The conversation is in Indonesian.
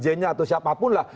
di jn atau siapapun lah